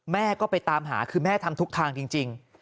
แม่ก็ไปตามหาคือแม่ทำทุกทางจริง